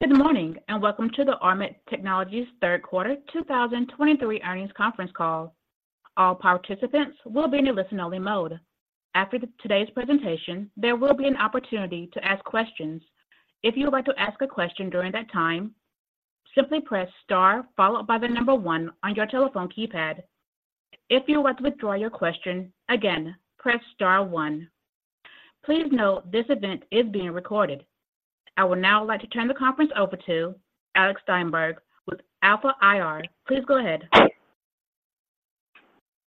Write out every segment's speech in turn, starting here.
Good morning, and welcome to the Ormat Technologies Third Quarter 2023 Earnings Conference Call. All participants will be in a listen-only mode. After today's presentation, there will be an opportunity to ask questions. If you would like to ask a question during that time, simply press star followed by the number one on your telephone keypad. If you want to withdraw your question, again, press star one. Please note, this event is being recorded. I would now like to turn the conference over to Alec Steinberg with Alpha IR. Please go ahead.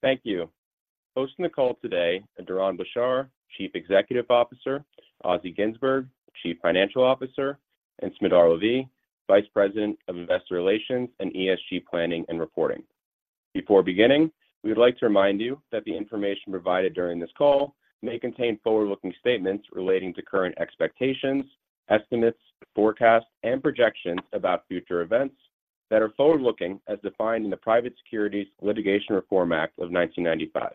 Thank you. Hosting the call today are Doron Blachar, Chief Executive Officer; Assi Ginzburg, Chief Financial Officer; and Smadar Lavi, Vice President of Investor Relations and ESG Planning and Reporting. Before beginning, we would like to remind you that the information provided during this call may contain forward-looking statements relating to current expectations, estimates, forecasts, and projections about future events that are forward-looking, as defined in the Private Securities Litigation Reform Act of 1995.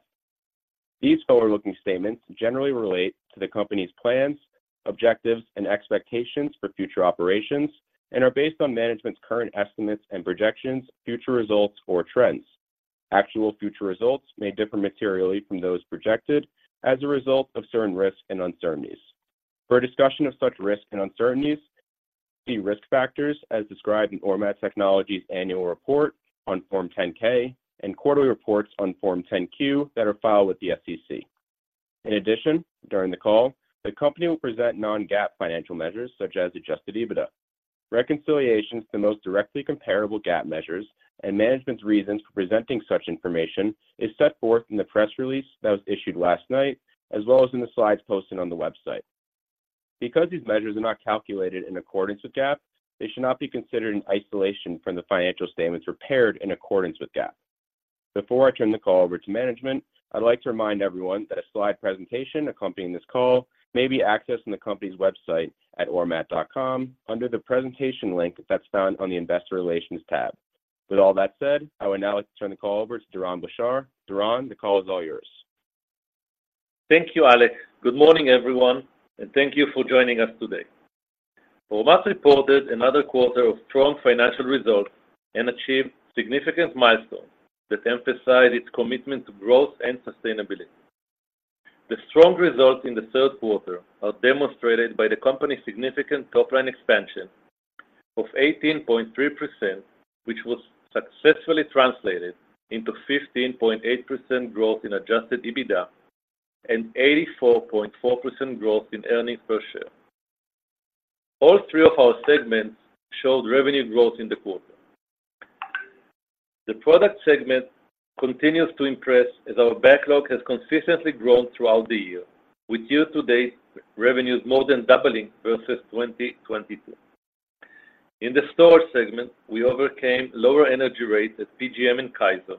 These forward-looking statements generally relate to the company's plans, objectives, and expectations for future operations and are based on management's current estimates and projections, future results, or trends. Actual future results may differ materially from those projected as a result of certain risks and uncertainties. For a discussion of such risks and uncertainties, see risk factors as described in Ormat Technologies Annual Report on Form 10-K and quarterly reports on Form 10-Q that are filed with the SEC. In addition, during the call, the company will present non-GAAP financial measures such as Adjusted EBITDA. Reconciliation to the most directly comparable GAAP measures and management's reasons for presenting such information is set forth in the press release that was issued last night, as well as in the slides posted on the website. Because these measures are not calculated in accordance with GAAP, they should not be considered in isolation from the financial statements prepared in accordance with GAAP. Before I turn the call over to management, I'd like to remind everyone that a slide presentation accompanying this call may be accessed on the company's website at ormat.com under the Presentation link that's found on the Investor Relations tab. With all that said, I would now like to turn the call over to Doron Blachar. Doron, the call is all yours. Thank you, Alec. Good morning, everyone, and thank you for joining us today. Ormat reported another quarter of strong financial results and achieved significant milestones that emphasize its commitment to growth and sustainability. The strong results in the third quarter are demonstrated by the company's significant top-line expansion of 18.3%, which was successfully translated into 15.8% growth in adjusted EBITDA and 84.4% growth in earnings per share. All three of our segments showed revenue growth in the quarter. The product segment continues to impress as our backlog has consistently grown throughout the year, with year-to-date revenues more than doubling versus 2022. In the storage segment, we overcame lower energy rates at PJM and Kaiser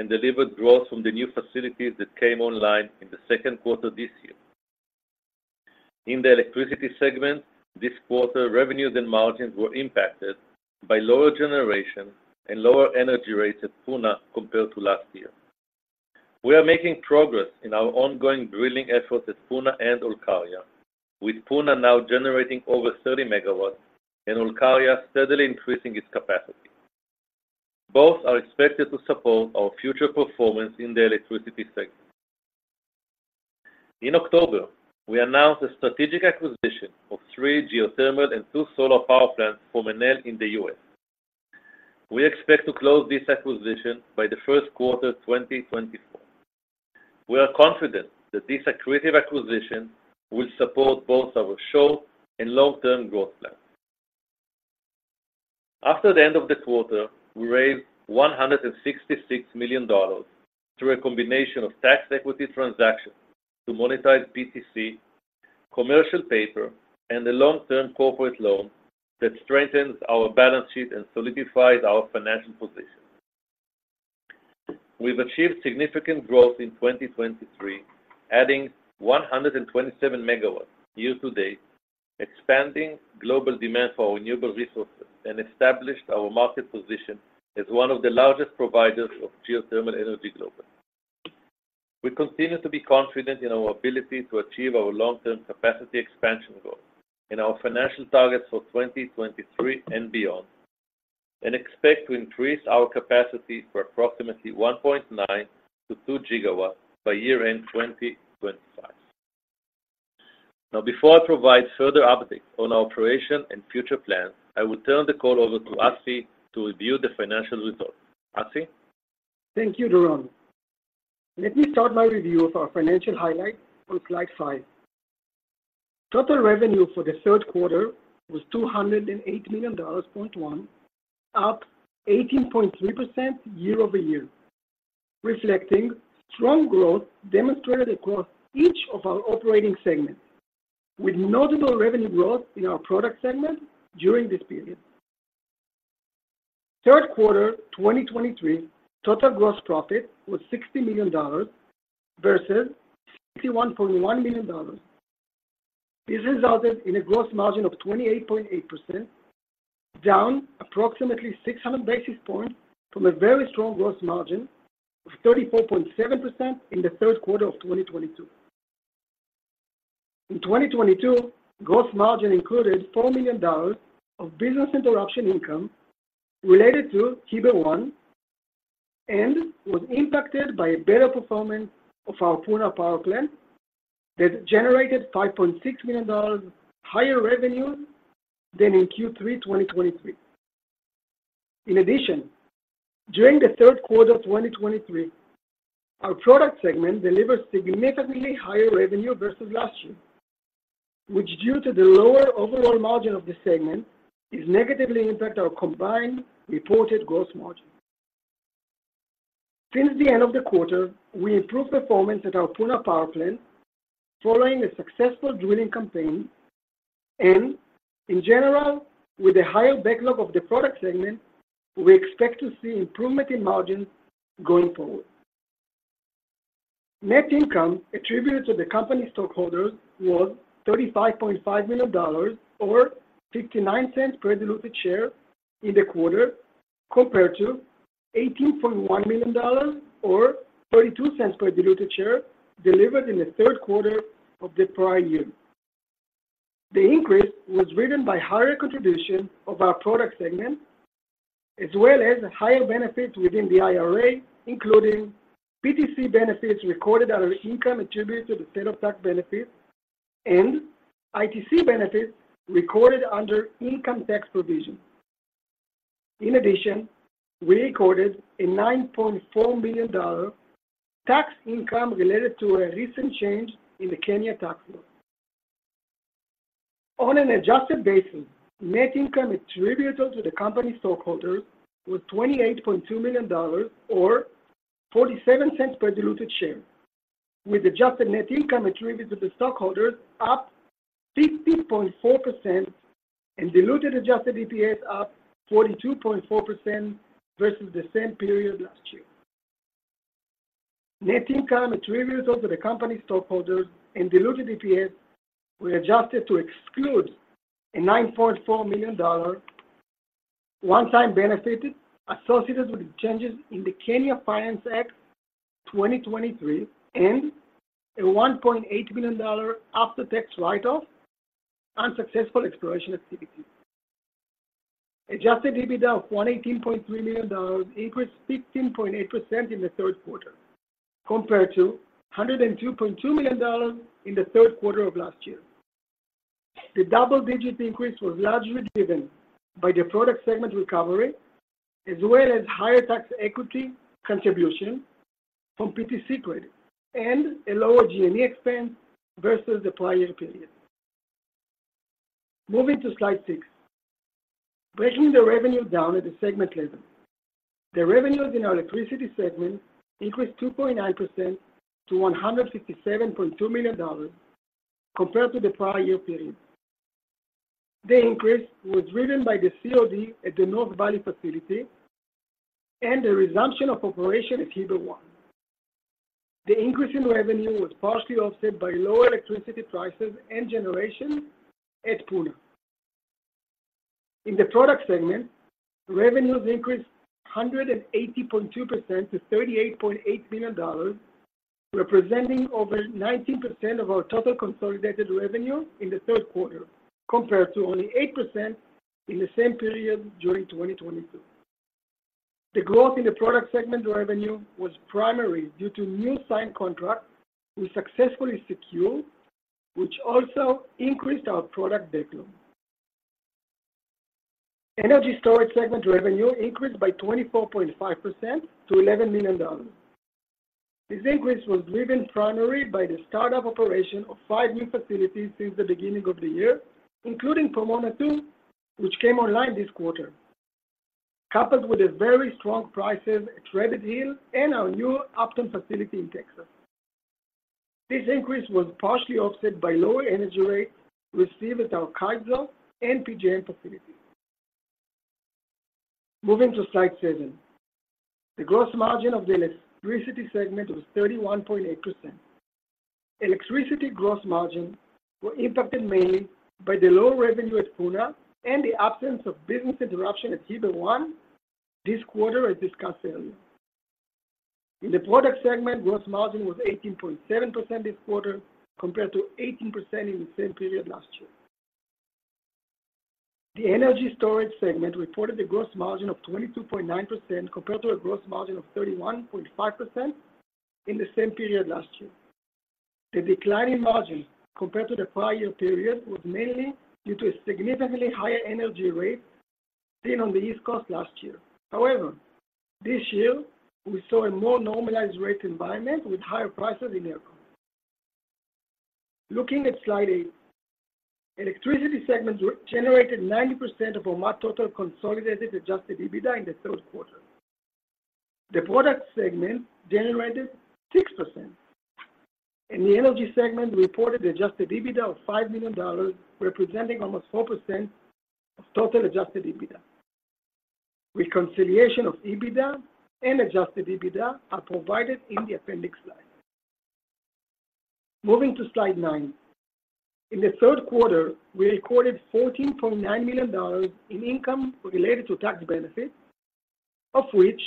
and delivered growth from the new facilities that came online in the second quarter this year. In the electricity segment, this quarter, revenues and margins were impacted by lower generation and lower energy rates at Puna compared to last year. We are making progress in our ongoing drilling efforts at Puna and Olkaria, with Puna now generating over 30 MW and Olkaria steadily increasing its capacity. Both are expected to support our future performance in the electricity segment. In October, we announced a strategic acquisition of three geothermal and two solar power plants from Enel in the U.S. We expect to close this acquisition by the first quarter 2024. We are confident that this accretive acquisition will support both our short- and long-term growth plans. After the end of the quarter, we raised $166 million through a combination of tax equity transactions to monetize PTC, commercial paper, and a long-term corporate loan that strengthens our balance sheet and solidifies our financial position. We've achieved significant growth in 2023, adding 127 MW year to date, expanding global demand for renewable resources, and established our market position as one of the largest providers of geothermal energy globally. We continue to be confident in our ability to achieve our long-term capacity expansion goals and our financial targets for 2023 and beyond, and expect to increase our capacity to approximately 1.9-2 GW by year-end 2025. Now, before I provide further updates on our operation and future plans, I will turn the call over to Assi to review the financial results. Assi? Thank you, Doron. Let me start my review of our financial highlights on slide five. Total revenue for the third quarter was $208.1 million, up 18.3% year-over-year, reflecting strong growth demonstrated across each of our operating segments, with notable revenue growth in our product segment during this period. Third quarter, 2023, total gross profit was $60 million versus $61.1 million. This resulted in a gross margin of 28.8%, down approximately 600 basis points from a very strong gross margin of 34.7 in the third quarter of 2022. In 2022, gross margin included $4 million of business interruption income related to Heber 1, and was impacted by a better performance of our Puna power plant, that generated $5.6 million higher revenue than in Q3 2023. In addition, during the third quarter of 2023, our product segment delivered significantly higher revenue versus last year, which, due to the lower overall margin of the segment, is negatively impact our combined reported gross margin. Since the end of the quarter, we improved performance at our Puna power plant following a successful drilling campaign, and in general, with the higher backlog of the product segment, we expect to see improvement in margin going forward. Net income attributed to the company's stockholders was $35.5 million or $0.59 per diluted share in the quarter, compared to $18.1 million or $0.32 per diluted share delivered in the third quarter of the prior year. The increase was driven by higher contribution of our product segment, as well as higher benefits within the IRA, including PTC benefits recorded under income attributed to sale of tax benefits, and ITC benefits recorded under income tax provision. In addition, we recorded a $9.4 million tax income related to a recent change in the Kenya tax law. On an adjusted basis, net income attributable to the company's stockholders was $28.2 million or $0.47 per diluted share, with adjusted net income attributed to the stockholders up 50.4% and diluted adjusted EPS up 42.4% versus the same period last year. Net income attributable to the company's stockholders and diluted EPS were adjusted to exclude a $9.4 million one-time benefit associated with the changes in the Kenya Finance Act 2023, and a $1.8 million after-tax write-off unsuccessful exploration activity. Adjusted EBITDA of $118.3 million increased 16.8% in the third quarter, compared to $102.2 million in the third quarter of last year. The double-digit increase was largely driven by the product segment recovery, as well as higher tax equity contribution from PTC credit and a lower G&A expense versus the prior year period. Moving to Slide six. Breaking the revenue down at the segment level. The revenues in our electricity segment increased 2.9% to $167.2 million compared to the prior year period. The increase was driven by the COD at the North Valley facility and the resumption of operation at Heber 1. The increase in revenue was partially offset by lower electricity prices and generation at Puna. In the product segment, revenues increased 180.2% to $38.8 million, representing over 19% of our total consolidated revenue in the third quarter, compared to only 8% in the same period during 2022. The growth in the product segment revenue was primarily due to new signed contracts we successfully secured, which also increased our product backlog. Energy storage segment revenue increased by 24.5% to $11 million. This increase was driven primarily by the start of operation of 5 new facilities since the beginning of the year, including Pomona 2, which came online this quarter, coupled with a very strong prices at Rabbit Hill and our new Upton facility in Texas. This increase was partially offset by lower energy rates received at our Kaiser and PJM facilities. Moving to Slide seven. The gross margin of the electricity segment was 31.8%. Electricity gross margin were impacted mainly by the low revenue at Puna and the absence of business interruption at Heber 1 this quarter, as discussed earlier. In the product segment, gross margin was 18.7% this quarter, compared to 18% in the same period last year. The energy storage segment reported a gross margin of 22.9%, compared to a gross margin of 31.5% in the same period last year. The decline in margin compared to the prior year period, was mainly due to a significantly higher energy rate seen on the East Coast last year. However, this year, we saw a more normalized rate environment with higher prices in ERCOT. Looking at Slide eight, electricity segments generated 90% of our total consolidated adjusted EBITDA in the third quarter. The product segment generated 6%, and the energy segment reported adjusted EBITDA of $5 million, representing almost 4% of total adjusted EBITDA. Reconciliation of EBITDA and adjusted EBITDA are provided in the appendix slide. Moving to Slide nine. In the third quarter, we recorded $14.9 million in income related to tax benefits, of which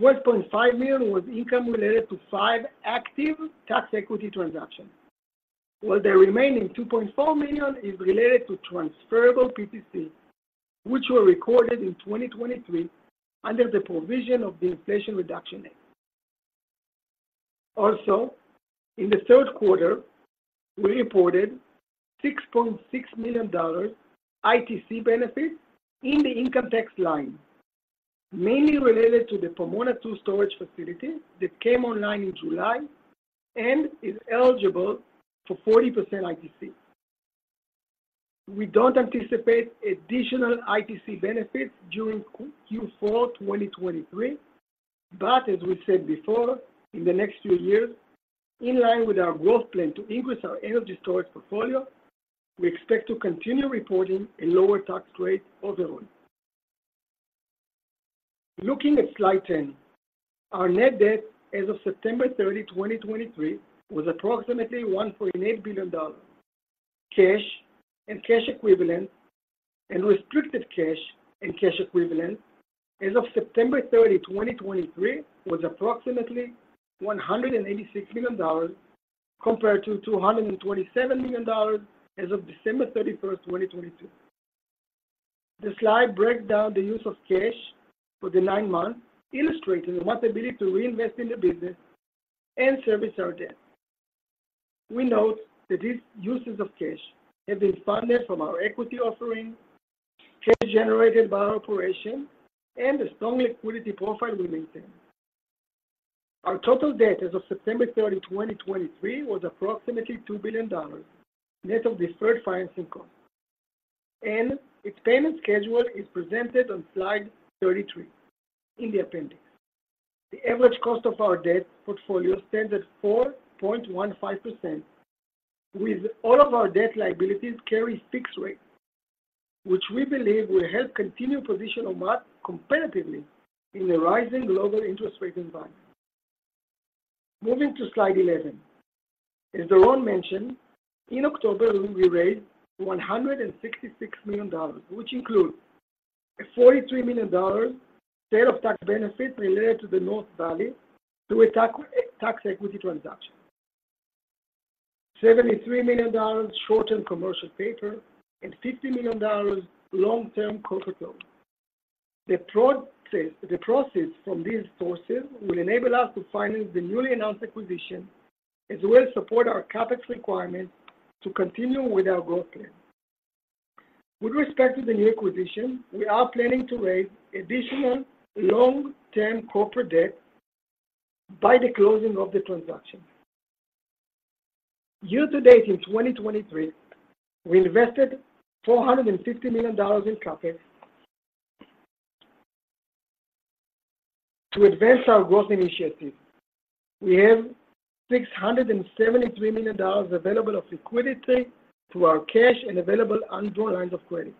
$12.5 million was income related to five active tax equity transactions, while the remaining $2.4 million is related to transferable PTC, which were recorded in 2023 under the provision of the Inflation Reduction Act. Also, in the third quarter, we reported $6.6 million ITC benefits in the income tax line, mainly related to the Pomona 2 storage facility that came online in July and is eligible for 40% ITC. We don't anticipate additional ITC benefits during Q4 2023, but as we said before, in the next few years, in line with our growth plan to increase our energy storage portfolio, we expect to continue reporting a lower tax rate overall. Looking at Slide 10, our net debt as of September 30, 2023, was approximately $1.8 billion. Cash and cash equivalent, and restricted cash and cash equivalent as of September 30, 2023, was approximately $186 million, compared to $227 million as of December 31, 2022. The slide breaks down the use of cash for the nine months, illustrating our ability to reinvest in the business and service our debt. We note that these uses of cash have been funded from our equity offering, cash generated by our operation, and the strong liquidity profile we maintain. Our total debt as of September 30, 2023, was approximately $2 billion, net of deferred financing costs, and its payment schedule is presented on slide 33 in the appendix. The average cost of our debt portfolio stands at 4.15%, with all of our debt liabilities carry fixed rate, which we believe will help continue position Ormat competitively in the rising global interest rate environment. Moving to Slide 11. As Doron mentioned, in October, we raised $166 million, which include a $43 million sale of tax benefits related to the North Valley, through a tax equity transaction. $73 million short-term commercial paper and $50 million long-term corporate loan. The proceeds from these sources will enable us to finance the newly announced acquisition, as well as support our CapEx requirements to continue with our growth plan. With respect to the new acquisition, we are planning to raise additional long-term corporate debt by the closing of the transaction. Year to date in 2023, we invested $450 million in CapEx. To advance our growth initiative, we have $673 million available of liquidity to our cash and available undrawn lines of credit.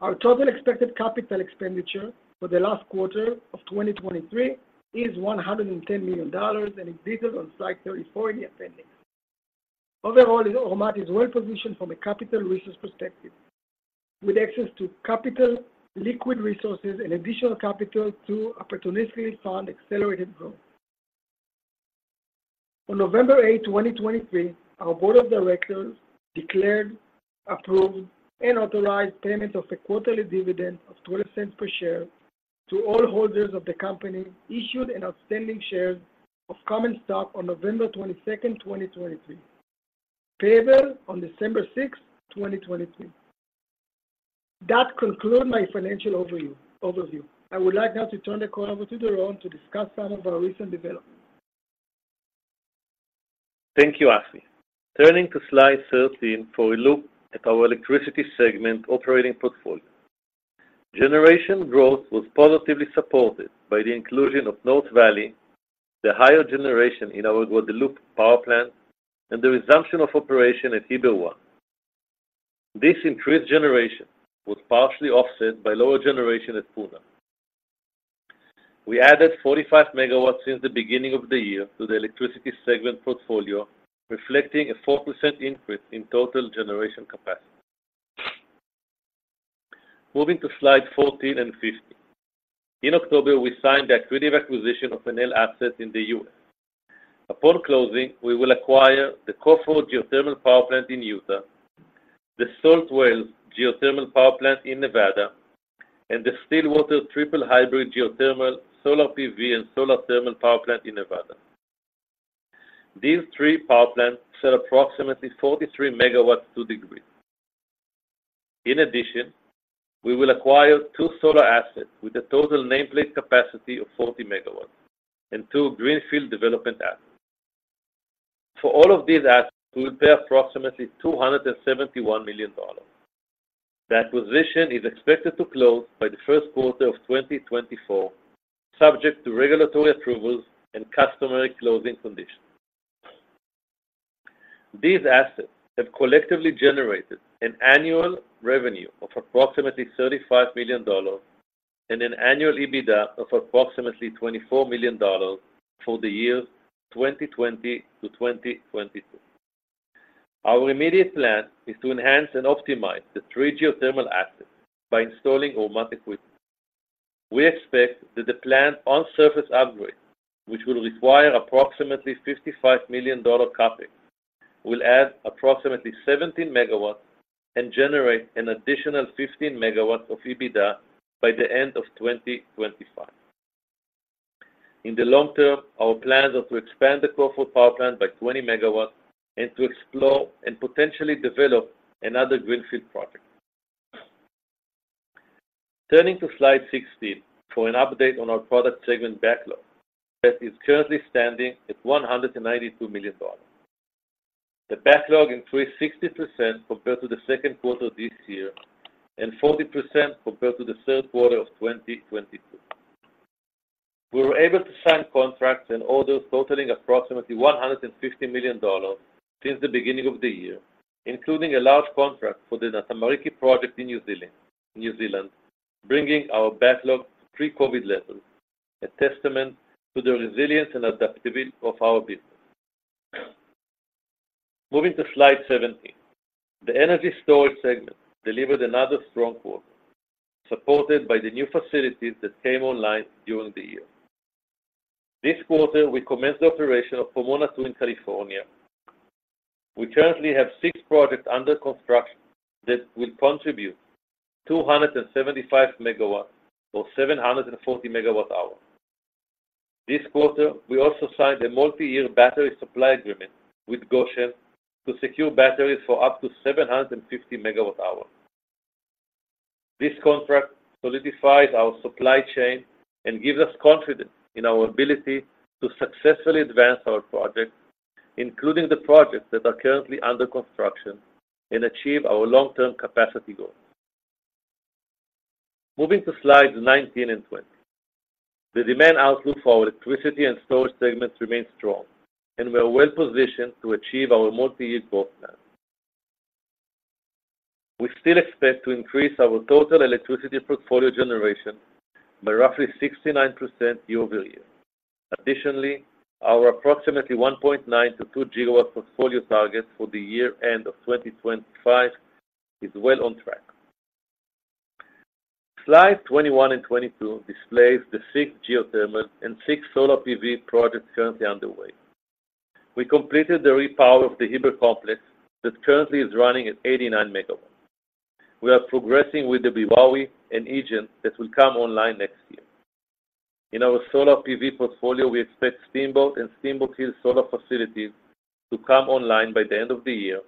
Our total expected capital expenditure for the last quarter of 2023 is $110 million, and it's detailed on slide 34 in the appendix. Overall, Ormat is well-positioned from a capital resource perspective, with access to capital, liquid resources, and additional capital to opportunistically fund accelerated growth. On November 8, 2023, our board of directors declared, approved, and authorized payment of a quarterly dividend of $0.12 per share to all holders of the company, issued and outstanding shares of common stock on November 22, 2023, payable on December 6, 2023. That conclude my financial overview. I would like now to turn the call over to Doron to discuss some of our recent developments. Thank you, Assi. Turning to Slide 13 for a look at our electricity segment operating portfolio. Generation growth was positively supported by the inclusion of North Valley, the higher generation in our Guadalupe power plant, and the resumption of operation at Heber 1. This increased generation was partially offset by lower generation at Puna. We added 45 MW since the beginning of the year to the electricity segment portfolio, reflecting a 4% increase in total generation capacity. Moving to Slide 14 and 15. In October, we signed the accretive acquisition of Enel assets in the U.S. Upon closing, we will acquire the Cove Fort geothermal power plant in Utah, the Salt Wells geothermal power plant in Nevada, and the Stillwater Triple Hybrid geothermal, Solar PV, and Solar Thermal power plant in Nevada. These three power plants sell approximately 43 MW to the grid. In addition, we will acquire two solar assets with a total nameplate capacity of 40 MW and two greenfield development assets. For all of these assets, we will pay approximately $271 million. The acquisition is expected to close by the first quarter of 2024, subject to regulatory approvals and customary closing conditions. These assets have collectively generated an annual revenue of approximately $35 million and an annual EBITDA of approximately $24 million for the years 2020 to 2022. Our immediate plan is to enhance and optimize the three geothermal assets by installing Ormat equipment. We expect that the plan on surface upgrade, which will require approximately $55 million dollar capital, will add approximately 17 MW and generate an additional 15 MW of EBITDA by the end of 2025. In the long term, our plans are to expand the Cove Fort power plant by 20 MW and to explore and potentially develop another greenfield project. Turning to Slide 16 for an update on our product segment backlog, that is currently standing at $192 million. The backlog increased 60% compared to the second quarter of this year and 40% compared to the third quarter of 2022. We were able to sign contracts and orders totaling approximately $150 million since the beginning of the year, including a large contract for the Nga Tamariki project in New Zealand, bringing our backlog to pre-COVID levels, a testament to the resilience and adaptability of our business. Moving to Slide 17. The energy storage segment delivered another strong quarter, supported by the new facilities that came online during the year. This quarter, we commenced the operation of Pomona 2 in California. We currently have six projects under construction that will contribute 275 MW, or 740 MWh. This quarter, we also signed a multi-year battery supply agreement with Gotion to secure batteries for up to 750 MWh. This contract solidifies our supply chain and gives us confidence in our ability to successfully advance our projects, including the projects that are currently under construction, and achieve our long-term capacity goals. Moving to Slides 19 and 20. The demand outlook for our electricity and storage segments remains strong, and we are well positioned to achieve our multi-year growth plan. We still expect to increase our total electricity portfolio generation by roughly 69% year-over-year. Additionally, our approximately 1.9-2 GW portfolio target for the year end of 2025 is well on track. Slide 21 and 22 displays the six geothermal and six Solar PV projects currently underway. We completed the repower of the Heber complex that currently is running at 89 MW. We are progressing with the Beowawe and Ijen that will come online next year. In our Solar PV portfolio, we expect Steamboat and Steamboat Hills solar facilities to come online by the end of the year,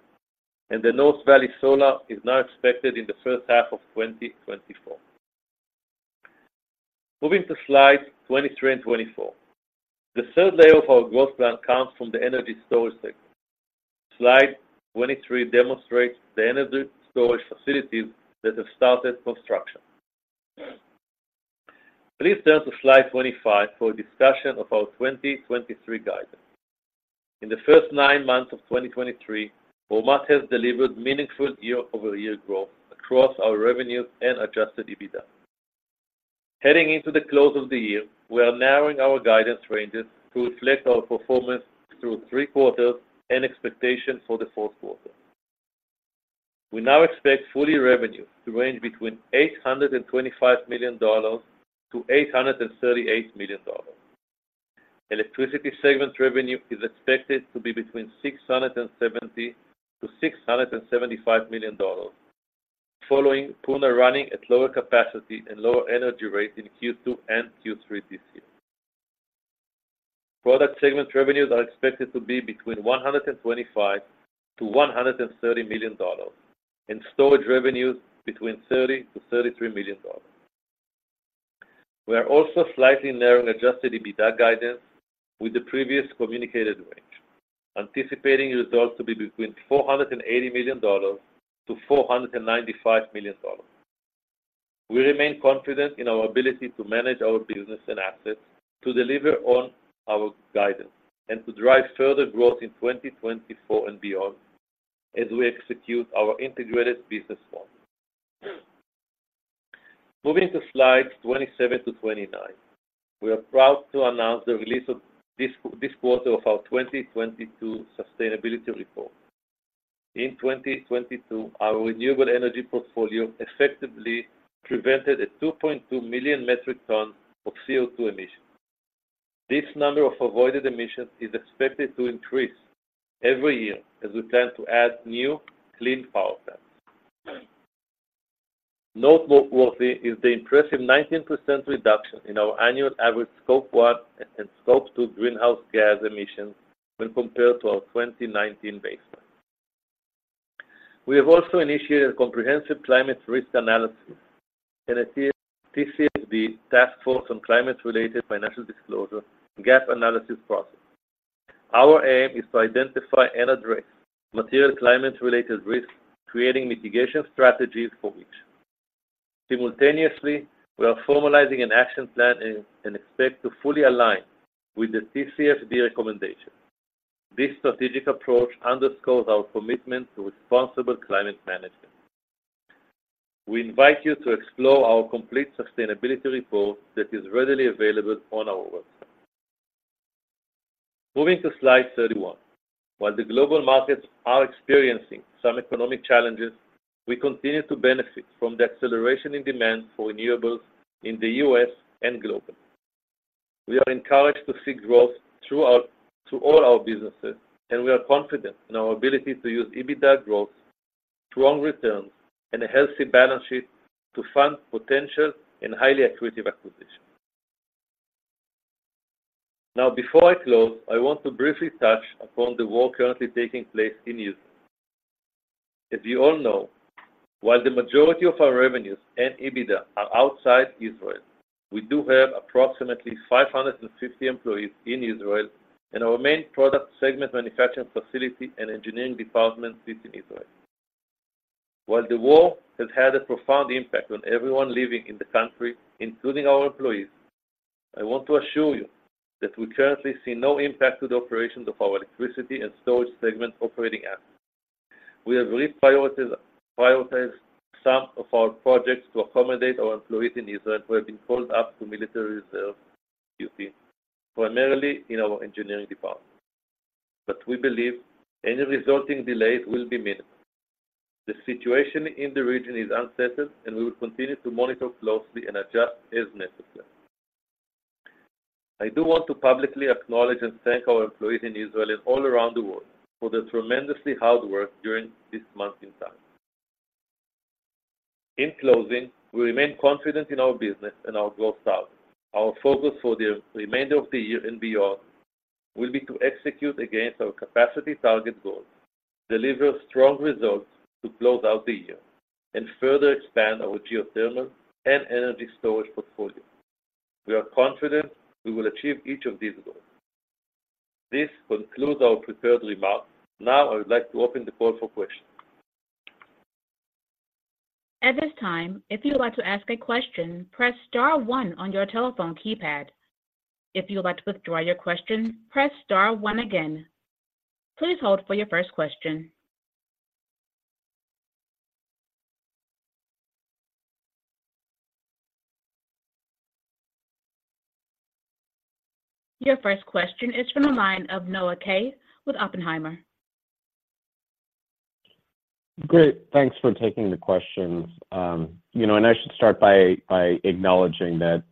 and the North Valley Solar is now expected in the first half of 2024. Moving to slides 23 and 24. The third layer of our growth plan comes from the energy storage segment. Slide 23 demonstrates the energy storage facilities that have started construction. Please turn to slide 25 for a discussion of our 2023 guidance. In the first 9 months of 2023, Ormat has delivered meaningful year-over-year growth across our revenues and Adjusted EBITDA. Heading into the close of the year, we are narrowing our guidance ranges to reflect our performance through 3 quarters and expectations for the fourth quarter. We now expect full-year revenue to range between $825 million to $838 million. Electricity segment revenue is expected to be between $670 million-$675 million, following Puna running at lower capacity and lower energy rates in Q2 and Q3 this year. Product segment revenues are expected to be between $125 million-$130 million, and storage revenues between $30 million-$33 million. We are also slightly narrowing Adjusted EBITDA guidance with the previous communicated range, anticipating results to be between $480 million-$495 million. We remain confident in our ability to manage our business and assets, to deliver on our guidance, and to drive further growth in 2024 and beyond as we execute our integrated business model. Moving to slides 27-29. We are proud to announce the release this quarter of our 2022 sustainability report. In 2022, our renewable energy portfolio effectively prevented 2.2 million metric tons of CO₂ emissions. This number of avoided emissions is expected to increase every year as we plan to add new clean power plants. Noteworthy is the impressive 19% reduction in our annual average Scope 1 and Scope 2 greenhouse gas emissions when compared to our 2019 baseline. We have also initiated a comprehensive climate risk analysis and a TCFD, Task Force on Climate-related Financial Disclosure, GAAP analysis process. Our aim is to identify and address material climate-related risks, creating mitigation strategies for each. Simultaneously, we are formalizing an action plan and expect to fully align with the TCFD recommendation. This strategic approach underscores our commitment to responsible climate management. We invite you to explore our complete sustainability report that is readily available on our website. Moving to Slide 31. While the global markets are experiencing some economic challenges, we continue to benefit from the acceleration in demand for renewables in the U.S. and globally. We are encouraged to see growth throughout all our businesses, and we are confident in our ability to use EBITDA growth, strong returns, and a healthy balance sheet to fund potential and highly accretive acquisitions. Now, before I close, I want to briefly touch upon the war currently taking place in Israel. As you all know, while the majority of our revenues and EBITDA are outside Israel, we do have approximately 550 employees in Israel, and our main product segment, manufacturing facility, and engineering department sit in Israel. While the war has had a profound impact on everyone living in the country, including our employees, I want to assure you that we currently see no impact to the operations of our electricity and storage segment operating assets. We have reprioritized some of our projects to accommodate our employees in Israel who have been called up to military reserve duty, primarily in our engineering department, but we believe any resulting delays will be minimal. The situation in the region is unsettled, and we will continue to monitor closely and adjust as necessary. I do want to publicly acknowledge and thank our employees in Israel and all around the world for their tremendously hard work during this daunting time. In closing, we remain confident in our business and our growth style. Our focus for the remainder of the year and beyond will be to execute against our capacity target goals, deliver strong results to close out the year, and further expand our geothermal and energy storage portfolio. We are confident we will achieve each of these goals. This concludes our prepared remarks. Now, I would like to open the call for questions. At this time, if you would like to ask a question, press star one on your telephone keypad. If you would like to withdraw your question, press star one again. Please hold for your first question. Your first question is from the line of Noah Kaye with Oppenheimer. Great, thanks for taking the questions. You know, and I should start by acknowledging that,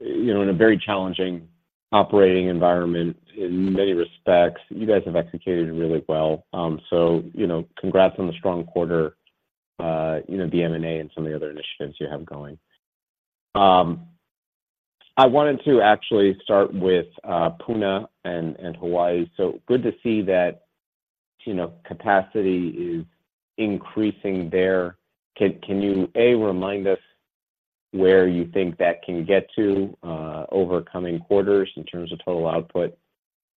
you know, in a very challenging operating environment, in many respects, you guys have executed really well. So, you know, congrats on the strong quarter, you know, the M&A, and some of the other initiatives you have going. I wanted to actually start with Puna and Hawaii. So good to see that, you know, capacity is increasing there. Can you, A, remind us where you think that can get to over coming quarters in terms of total output,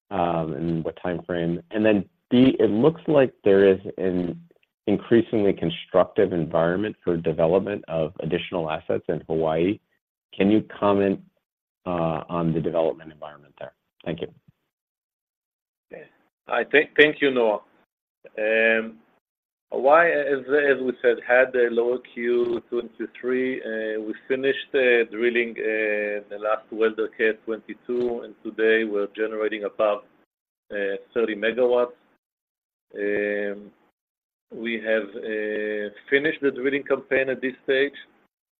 and what time frame? And then, B, it looks like there is an increasingly constructive environment for development of additional assets in Hawaii. Can you comment on the development environment there? Thank you. Okay. Thank you, Noah. Hawaii, as we said, had a lower Q3 2023. We finished drilling the last well, the KS-22, and today we're generating about 30 megawatts. We have finished the drilling campaign at this stage,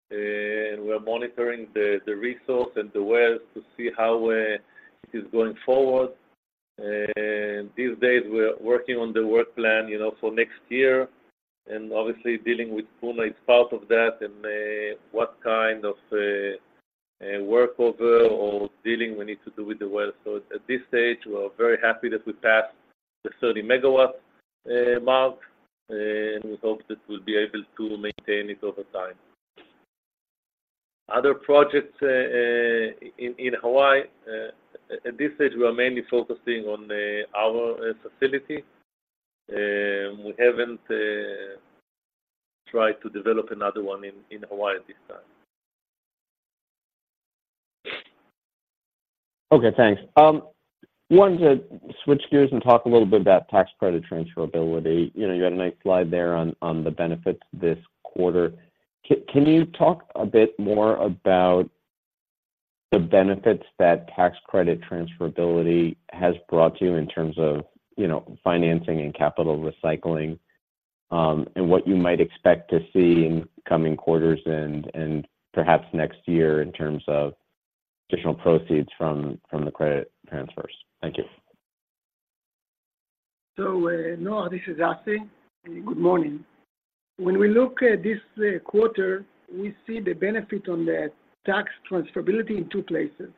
and we're monitoring the resource and the wells to see how it is going forward. These days, we're working on the work plan, you know, for next year, and obviously dealing with Puna is part of that, and what kind of workover or dealing we need to do with the well. So at this stage, we are very happy that we passed the 30 megawatt mark, and we hope that we'll be able to maintain it over time. Other projects in Hawaii, at this stage, we are mainly focusing on our facility. We haven't tried to develop another one in Hawaii at this time. Okay, thanks. Wanted to switch gears and talk a little bit about tax credit transferability. You know, you had a nice slide there on, on the benefits this quarter. Can you talk a bit more about the benefits that tax credit transferability has brought you in terms of, you know, financing and capital recycling, and what you might expect to see in coming quarters and, and perhaps next year in terms of additional proceeds from, from the credit transfers? Thank you. So, Noah, this is Assi. Good morning. When we look at this quarter, we see the benefit on the tax transferability in two places.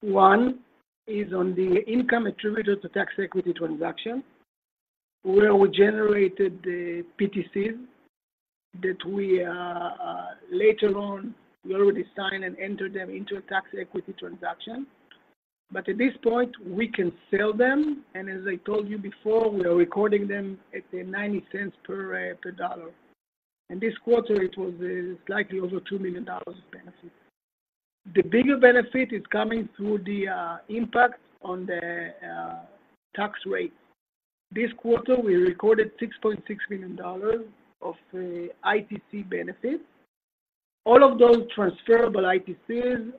One is on the income attributed to tax equity transaction, where we generated the PTCs, that we later on, we already signed and entered them into a tax equity transaction. But at this point, we can sell them, and as I told you before, we are recording them at 0.090 per dollar. And this quarter, it was slightly over $2 million of benefit. The bigger benefit is coming through the impact on the tax rate. This quarter, we recorded $6.6 million of ITC benefits. All of those transferable ITCs,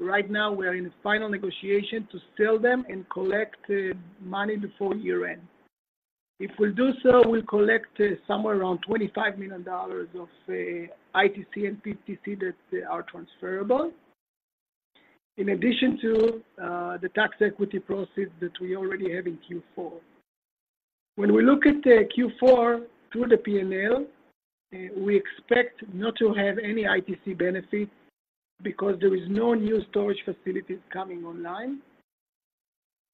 right now we are in final negotiation to sell them and collect money before year-end. If we'll do so, we'll collect somewhere around $25 million of, say, ITC and PTC that are transferable. In addition to the tax equity proceeds that we already have in Q4. When we look at the Q4 through the P&L, we expect not to have any ITC benefit because there is no new storage facilities coming online.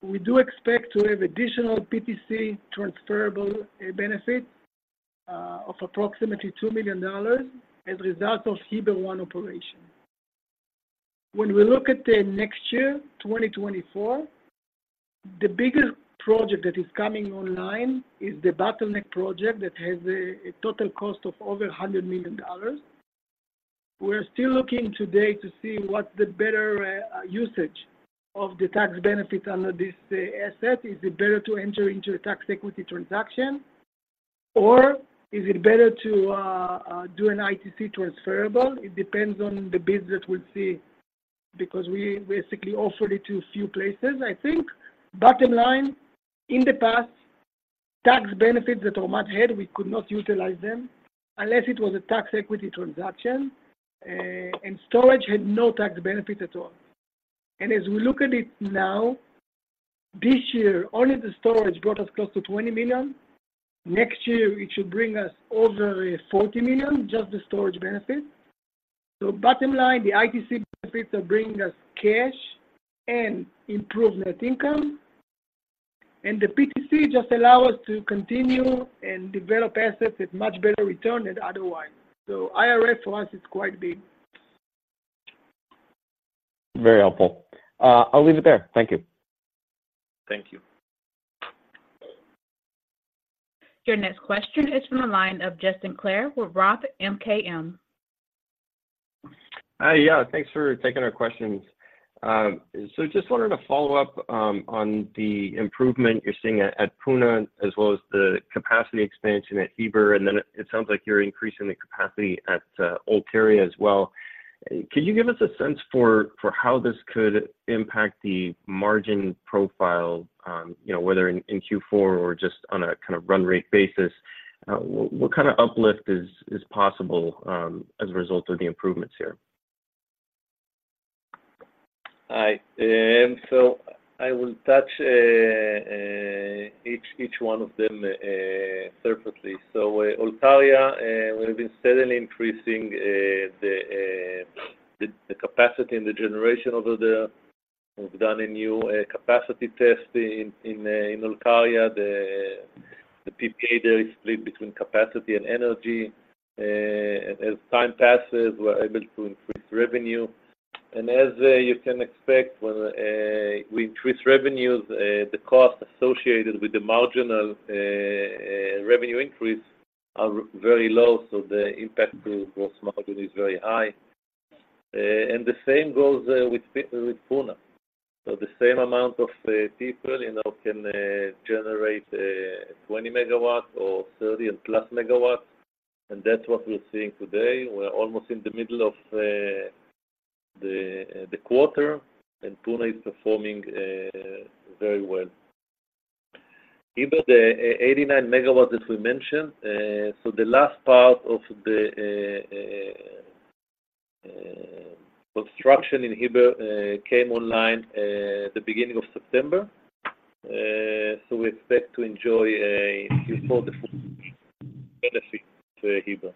We do expect to have additional PTC transferable benefit of approximately $2 million as a result of Heber 1 operation. When we look at the next year, 2024, the biggest project that is coming online is the Bottleneck project, that has a total cost of over $100 million. We're still looking today to see what's the better usage of the tax benefits under this asset. Is it better to enter into a tax equity transaction, or is it better to do an ITC transferable? It depends on the bids that we'll see, because we basically offered it to a few places, I think. Bottom line, in the past, tax benefits that Ormat had, we could not utilize them unless it was a tax equity transaction, and storage had no tax benefit at all. And as we look at it now, this year, only the storage brought us close to $20 million. Next year, it should bring us over $40 million, just the storage benefit. So bottom line, the ITC benefits are bringing us cash and improve net income, and the PTC just allow us to continue and develop assets with much better return than otherwise. So IRA, for us, is quite big. Very helpful. I'll leave it there. Thank you. Thank you. Your next question is from the line of Justin Clare with Roth MKM. Yeah, thanks for taking our questions. So just wanted to follow up on the improvement you're seeing at Puna, as well as the capacity expansion at Heber, and then it sounds like you're increasing the capacity at Olkaria as well. Can you give us a sense for how this could impact the margin profile? You know, whether in Q4 or just on a kind of run rate basis, what kind of uplift is possible as a result of the improvements here? Hi, so I will touch each one of them superficially. So, Olkaria, we've been steadily increasing the capacity and the generation over there. We've done a new capacity test in Olkaria. The PPA there is split between capacity and energy. As time passes, we're able to increase revenue. And as you can expect, when we increase revenues, the costs associated with the marginal revenue increase are very low, so the impact to gross margin is very high. And the same goes with Puna. So the same amount of people, you know, can generate 20 MW or 30+ MW, and that's what we're seeing today. We're almost in the middle of the quarter, and Puna is performing very well. Heber, the 89 MW, as we mentioned, so the last part of the construction in Heber came online the beginning of September. So we expect to enjoy before the full benefit to Heber.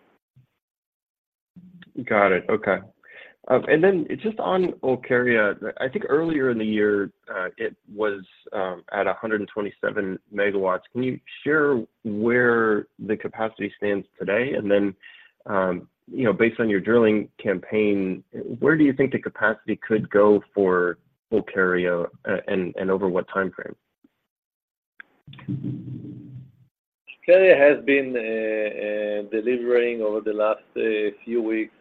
Got it. Okay. And then just on Olkaria, I think earlier in the year, it was at 127 megawatts. Can you share where the capacity stands today? And then, you know, based on your drilling campaign, where do you think the capacity could go for Olkaria, and over what time frame? Olkaria has been delivering over the last few weeks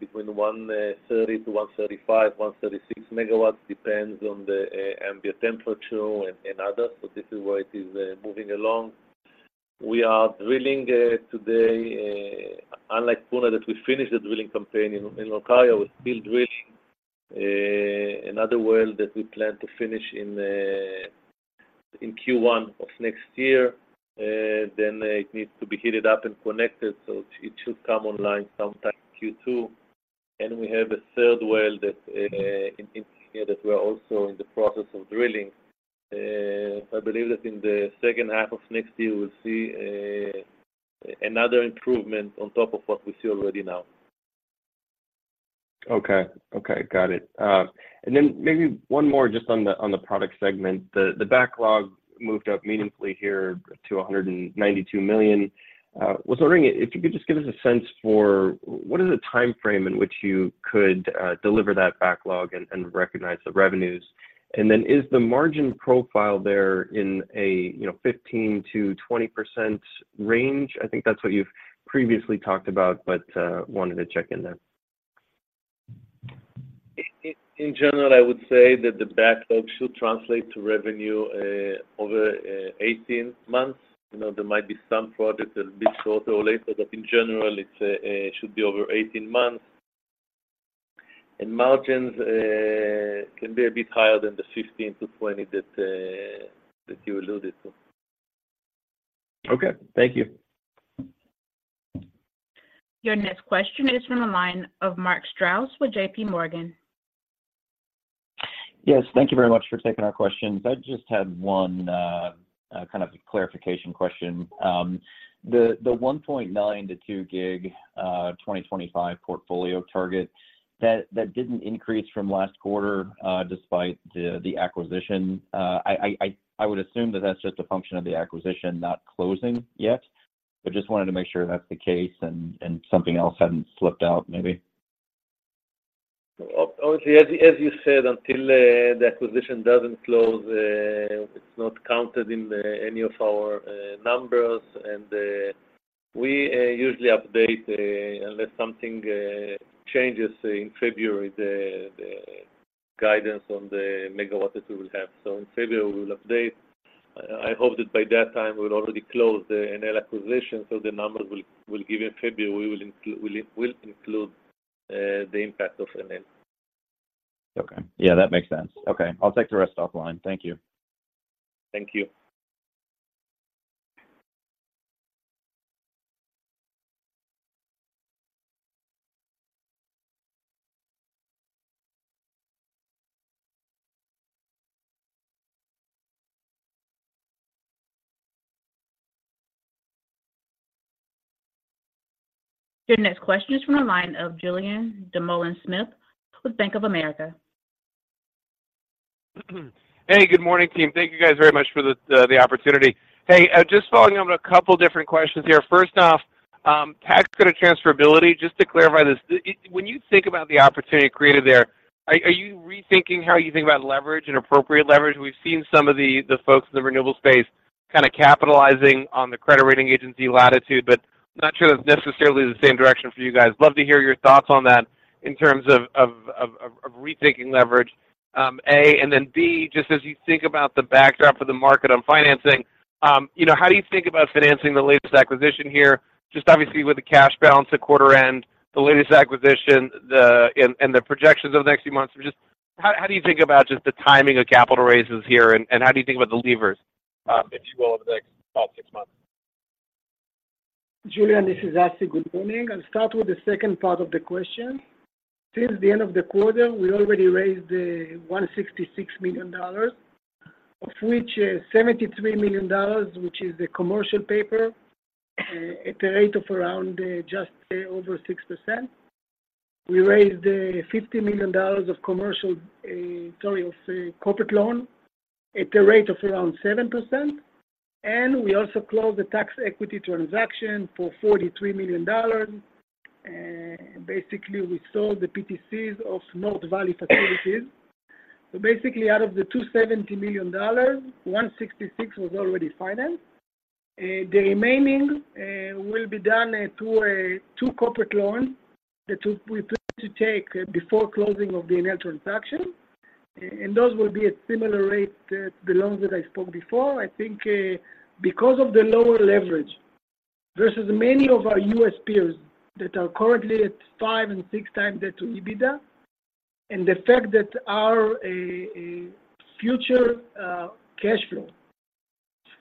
between 130 to 135, 136 megawatts, depends on the ambient temperature and others, so this is why it is moving along. We are drilling today, unlike Puna, that we finished the drilling campaign in, in Olkaria, we're still drilling another well that we plan to finish in Q1 of next year. Then it needs to be heated up and connected, so it should come online sometime Q2. Then we have a third well that in here that we are also in the process of drilling. I believe that in the second half of next year, we'll see another improvement on top of what we see already now. Okay. Okay, got it. And then maybe one more just on the, on the product segment. The, the backlog moved up meaningfully here to $192 million. Was wondering if you could just give us a sense for what is the time frame in which you could deliver that backlog and recognize the revenues? And then is the margin profile there in a, you know, 15% to 20% range? I think that's what you've previously talked about, but wanted to check in there. In general, I would say that the backlog should translate to revenue over 18 months. You know, there might be some projects that a bit shorter or later, but in general, it's, it should be over 18 months. And margins can be a bit higher than the 15 to 20 that you alluded to. Okay, thank you. Your next question is from the line of Mark Strouse with JPMorgan. Yes, thank you very much for taking our questions. I just had one kind of clarification question. The 1.9 to 2 gig 2025 portfolio target, that didn't increase from last quarter, despite the acquisition. I would assume that that's just a function of the acquisition not closing yet, but just wanted to make sure that's the case and something else hadn't slipped out maybe. Obviously, as you said, until the acquisition doesn't close, it's not counted in any of our numbers. We usually update, unless something changes in February, the guidance on the megawatts we will have. So in February, we'll update. I hope that by that time, we'll already close the Enel acquisition, so the numbers we'll give in February will include the impact of Enel. Okay. Yeah, that makes sense. Okay, I'll take the rest offline. Thank you. Thank you. Your next question is from the line of Julien Dumoulin-Smith with Bank of America. Hey, good morning, team. Thank you guys very much for the opportunity. Hey, just following up on a couple different questions here. First off, tax credit transferability, just to clarify this, when you think about the opportunity created there, are you rethinking how you think about leverage and appropriate leverage? We've seen some of the folks in the renewable space kind of capitalizing on the credit rating agency latitude, but not sure that's necessarily the same direction for you guys. Love to hear your thoughts on that in terms of rethinking leverage, A, and then B, just as you think about the backdrop of the market on financing, you know, how do you think about financing the latest acquisition here? Just obviously, with the cash balance at quarter end, the latest acquisition, and the projections over the next few months, so just how do you think about just the timing of capital raises here, and how do you think about the levers, if you will, over the next about six months? Julian, this is Assi. Good morning. I'll start with the second part of the question. Since the end of the quarter, we already raised $166 million, of which $73 million, which is the commercial paper, at a rate of around just over 6%. We raised $50 million of corporate loan at a rate of around 7%, and we also closed the tax equity transaction for $43 million. Basically, we sold the PTCs of North Valley facilities. So basically, out of the $270 million, $166 million was already financed. The remaining will be done through two corporate loans that we plan to take before closing of the Enel transaction, and those will be at similar rate, the loans that I spoke before. I think, because of the lower leverage versus many of our U.S. peers that are currently at 5x and 6x EBITDA, and the fact that our future cash flow,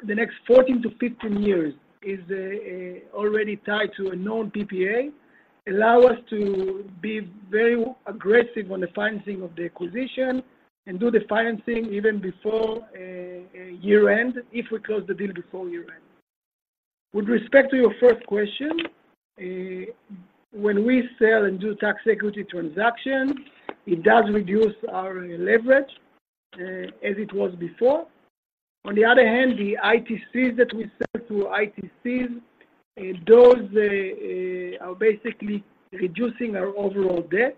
the next 14-15 years is already tied to a known PPA, allow us to be very aggressive on the financing of the acquisition and do the financing even before year-end, if we close the deal before year-end. With respect to your first question, when we sell and do tax equity transaction, it does reduce our leverage as it was before. On the other hand, the ITCs that we sell through ITCs, those are basically reducing our overall debt.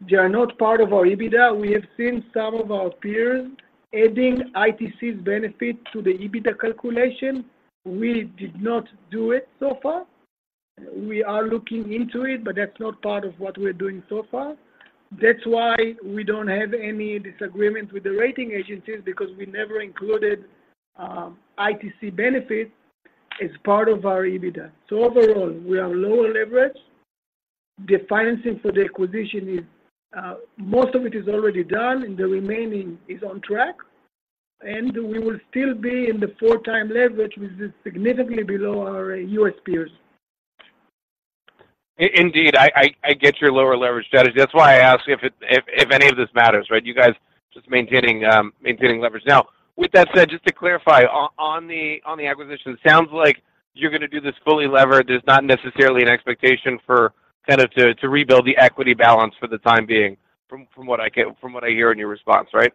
They are not part of our EBITDA. We have seen some of our peers adding ITCs benefit to the EBITDA calculation. We did not do it so far. We are looking into it, but that's not part of what we're doing so far. That's why we don't have any disagreement with the rating agencies, because we never included ITC benefits as part of our EBITDA. So overall, we are lower leverage. The financing for the acquisition is most of it already done, and the remaining is on track, and we will still be in the 4x leverage, which is significantly below our U.S. peers. Indeed, I get your lower leverage strategy. That's why I asked if any of this matters, right? You guys just maintaining leverage. Now, with that said, just to clarify, on the acquisition, it sounds like you're gonna do this fully levered. There's not necessarily an expectation for kind of to rebuild the equity balance for the time being, from what I hear in your response, right?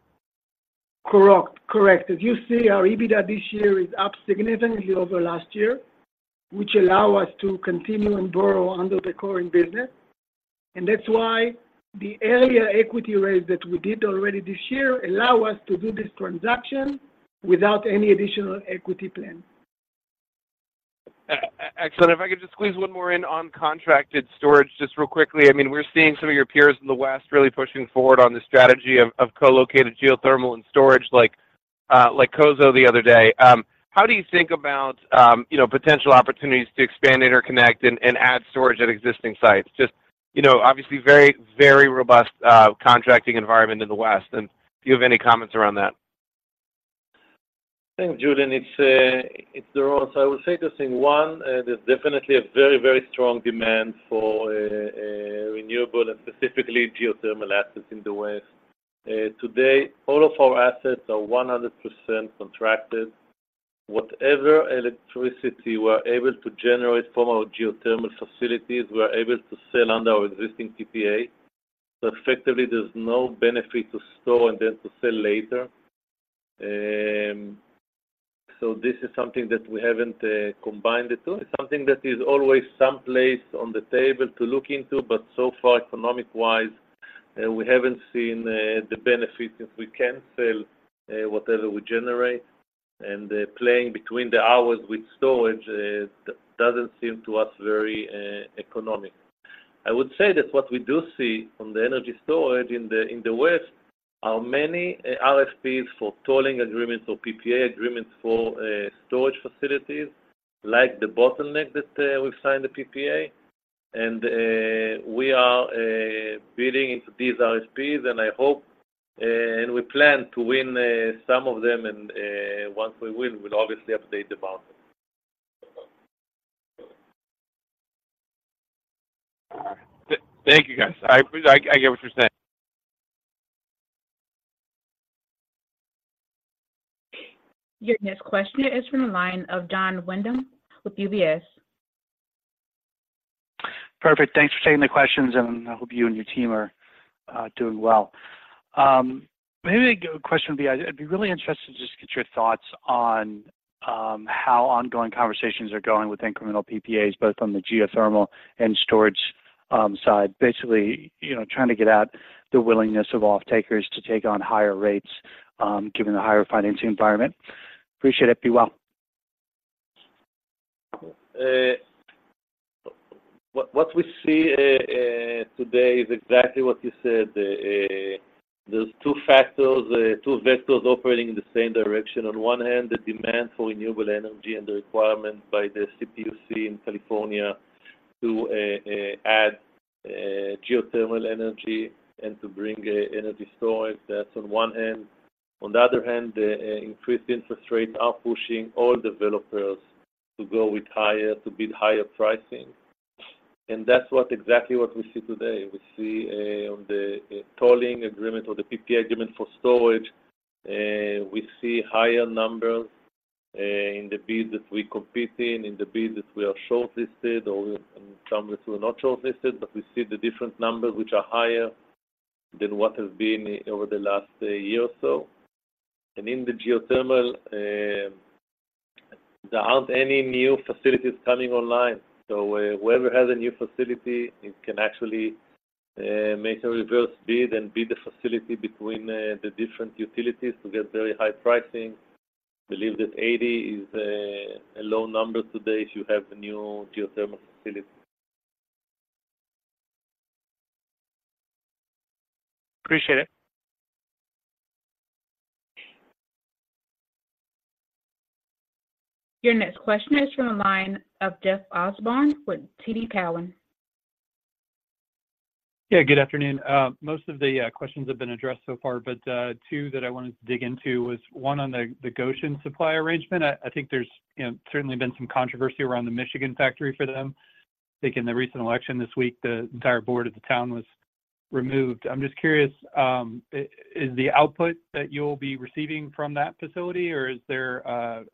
Correct. As you see, our EBITDA this year is up significantly over last year, which allow us to continue and borrow under the current business. That's why the earlier equity raise that we did already this year allow us to do this transaction without any additional equity plan. Excellent. If I could just squeeze one more in on contracted storage, just real quickly. I mean, we're seeing some of your peers in the West really pushing forward on the strategy of co-located geothermal and storage, like Coso the other day. How do you think about, you know, potential opportunities to expand interconnect and add storage at existing sites? Just, you know, obviously very, very robust contracting environment in the West, and do you have any comments around that? Thanks, Julian. It's Doron. So I will say two things. One, there's definitely a very, very strong demand for renewable and specifically geothermal assets in the West. Today, all of our assets are 100% contracted. Whatever electricity we're able to generate from our geothermal facilities, we're able to sell under our existing PPA. So effectively, there's no benefit to store and then to sell later. So this is something that we haven't combined it to. It's something that is always someplace on the table to look into, but so far, economic-wise, we haven't seen the benefits if we can't sell whatever we generate. And playing between the hours with storage doesn't seem to us very economic. I would say that what we do see from the energy storage in the West are many RFPs for tolling agreements or PPA agreements for storage facilities, like the Bottleneck that we've signed the PPA. And we are bidding into these RFPs, and I hope, and we plan to win some of them. And once we win, we'll obviously update the market. Thank you, guys. I get what you're saying. Your next question is from the line of Jon Windham with UBS. Perfect. Thanks for taking the questions, and I hope you and your team are doing well. Maybe a good question would be, I'd be really interested to just get your thoughts on how ongoing conversations are going with incremental PPAs, both on the geothermal and storage side. Basically, you know, trying to get out the willingness of off-takers to take on higher rates, given the higher financing environment. Appreciate it. Be well. What we see today is exactly what you said. There's two factors, two vectors operating in the same direction. On one hand, the demand for renewable energy and the requirement by the CPUC in California to add geothermal energy and to bring energy storage. That's on one hand. On the other hand, the increased interest rates are pushing all developers to go with higher, to bid higher pricing, and that's exactly what we see today. We see on the tolling agreement or the PPA agreement for storage, we see higher numbers in the bids that we compete in, in the bids that we are shortlisted or in some that we're not shortlisted, but we see the different numbers, which are higher than what has been over the last year or so. And in the geothermal, there aren't any new facilities coming online. So whoever has a new facility, it can actually make a reverse bid and bid the facility between the different utilities to get very high pricing. Believe that 80 is a low number today if you have a new geothermal facility. Appreciate it. Your next question is from the line of Jeff Osborne with TD Cowen. Yeah, good afternoon. Most of the questions have been addressed so far, but two that I wanted to dig into was one, on the Gotion supply arrangement. I think there's, you know, certainly been some controversy around the Michigan factory for them. I think in the recent election this week, the entire board of the town was removed. I'm just curious, is the output that you'll be receiving from that facility, or is there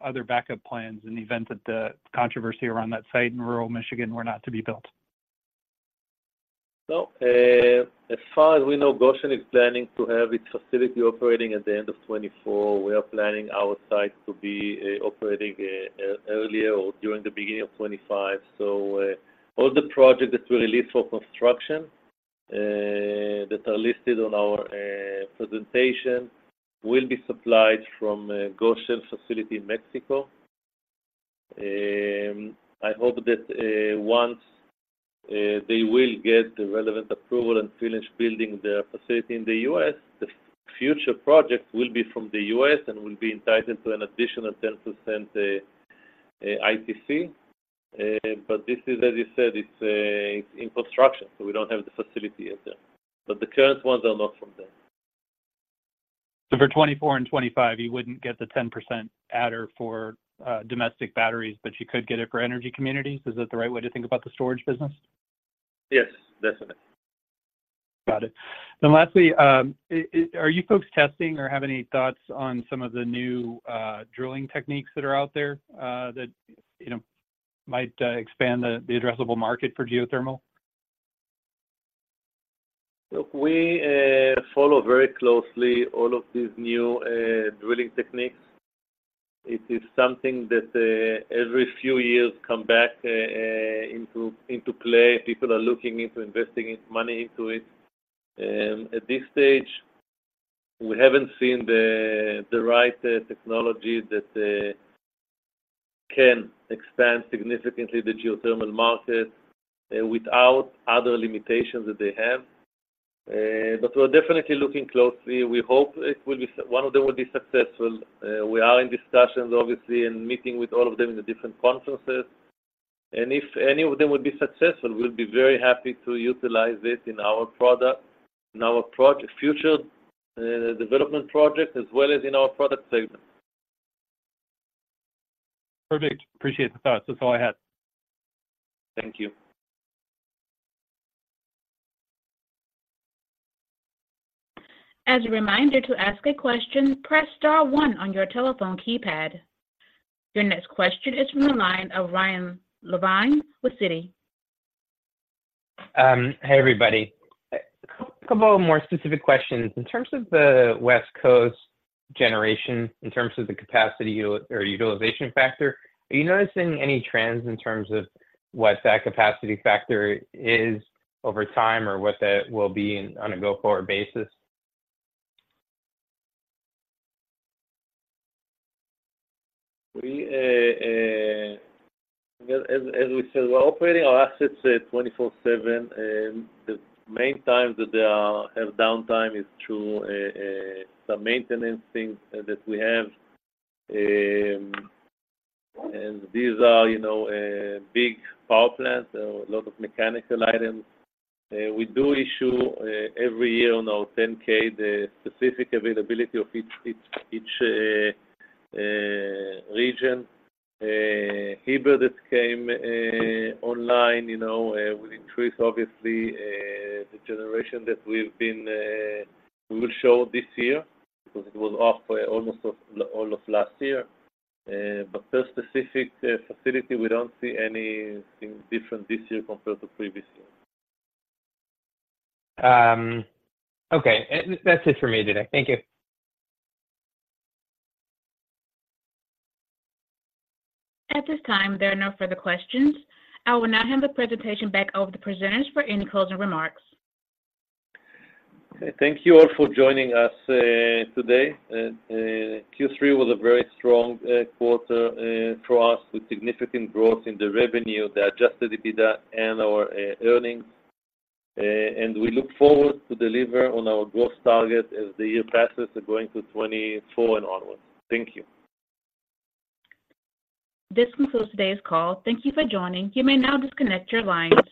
other backup plans in the event that the controversy around that site in rural Michigan were not to be built? So, as far as we know, Gotion is planning to have its facility operating at the end of 2024. We are planning our site to be operating earlier or during the beginning of 2025. So, all the projects that we released for construction that are listed on our presentation will be supplied from Gotion facility in Mexico. I hope that once they will get the relevant approval and finish building their facility in the U.S., the future projects will be from the U.S. and will be entitled to an additional 10% ITC. But this is, as you said, it's in construction, so we don't have the facility yet, but the current ones are not from them. So for 2024 and 2025, you wouldn't get the 10% adder for domestic batteries, but you could get it for energy communities. Is that the right way to think about the storage business? Yes, that's it. Got it. Then lastly, Are you folks testing or have any thoughts on some of the new drilling techniques that are out there, that, you know, might expand the, the addressable market for geothermal? Look, we follow very closely all of these new drilling techniques. It is something that every few years come back into play. People are looking into investing its money into it. At this stage, we haven't seen the right technology that can expand significantly the geothermal market without other limitations that they have. But we're definitely looking closely. We hope one of them will be successful. We are in discussions, obviously, and meeting with all of them in the different conferences, and if any of them will be successful, we'll be very happy to utilize it in our product, in our future development project, as well as in our product segment. Perfect. Appreciate the thoughts. That's all I had. Thank you. As a reminder, to ask a question, press star one on your telephone keypad. Your next question is from the line of Ryan Levine with Citi. Hey, everybody. A couple of more specific questions. In terms of the West Coast generation, in terms of the capacity or utilization factor, are you noticing any trends in terms of what that capacity factor is over time, or what that will be on a go-forward basis? As we said, we're operating our assets 24/7, and the main time that they have downtime is through some maintenance things that we have. And these are, you know, big power plants, so a lot of mechanical items. We do issue every year on our 10-K, the specific availability of each region. Heber just came online, you know, will increase obviously the generation that we will show this year, because it was off for almost all of last year. But per specific facility, we don't see anything different this year compared to previous years. Okay. That's it for me today. Thank you. At this time, there are no further questions. I will now hand the presentation back over to the presenters for any closing remarks. Thank you all for joining us today. Q3 was a very strong quarter for us, with significant growth in the revenue, the adjusted EBITDA, and our earnings. And we look forward to deliver on our growth target as the year passes, going to 2024 and onward. Thank you. This concludes today's call. Thank you for joining. You may now disconnect your lines.